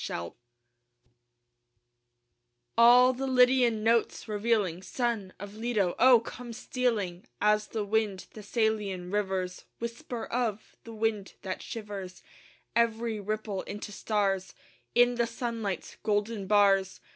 APOLLO I All the Lydian notes revealing, Son of Leto, oh, come stealing As the wind Thessalian rivers Whisper of! the wind that shivers Every ripple into stars, In the sunlight's golden bars.